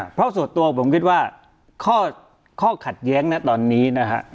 เพราะส่วนตัวผมคิดว่าข้อขัดแย้งนะตอนนี้นะฮะ